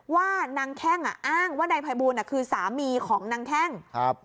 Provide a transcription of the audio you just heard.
ว่านางแข้งอ่ะอ้างว่านายภัยบูลคือสามีของนางแข้งครับ